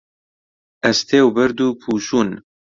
ئەستێ و بەرد و پووشوون